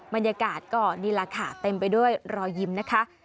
บรรยากาศก็นี่แหละค่ะเต็มไปด้วยรอยยิ้มนะคะ